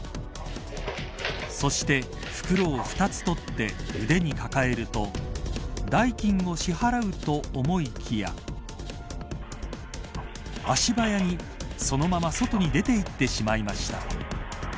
そして、袋を２つ取って腕に抱えると代金を支払うと思いきや足早に、そのまま外に出て行ってしまいました。